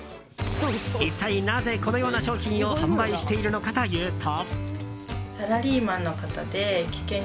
一体なぜ、このような商品を販売しているのかというと。